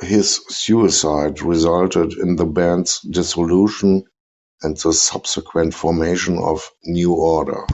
His suicide resulted in the band's dissolution and the subsequent formation of New Order.